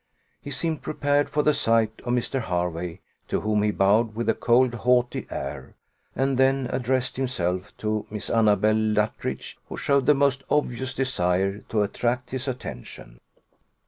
He seemed prepared for the sight of Mr. Hervey, to whom he bowed with a cold, haughty air; and then addressed himself to Miss Annabella Luttridge, who showed the most obvious desire to attract his attention.